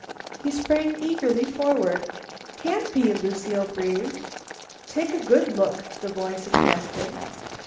He sprang eagerly forward. "Can't be," Lucile breathed. "Take a good look," the boy suggested.